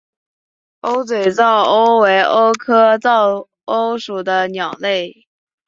鸥嘴噪鸥为鸥科噪鸥属的鸟类。